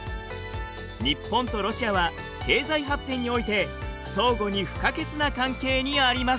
日本とロシアは経済発展において相互に不可欠な関係にあります。